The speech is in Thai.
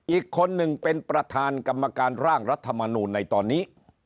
อีกคนหนึ่งเป็นประธานกรรมการร่างรัฐมนูลในตอนนี้